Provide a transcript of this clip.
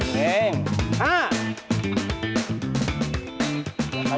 หนึ่งห้า